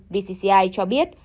vcci cho biết